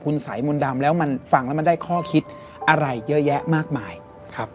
คุณสายมนต์ดำแล้วมันฟังแล้วมันได้ข้อคิดอะไรเยอะแยะมากมายครับ